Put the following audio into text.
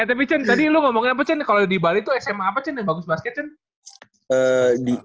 eh tapi cen tadi lu ngomongin apa cen kalau di bali itu sma apa cen yang bagus basket cen